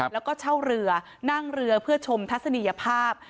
แล้วก็เช่าเรือนั่งเรือเพื่อชมทัศนียภาพ